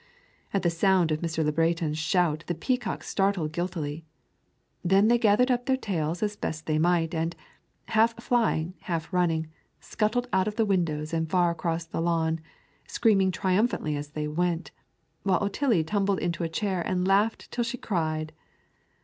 At the sound of Mr. Le Breton's shout the peacocks started guiltily. Then they gathered up their tails as best they might, and, half flying, half running, scuttled out of the windows and far across the lawn, screaming triumphantly as they went, while Otillie tumbled into a chair and laughed till she cried.